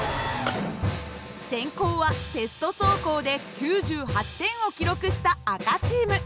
先攻はテスト走行で９８点を記録した赤チーム。